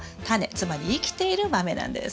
つまり生きている豆なんです。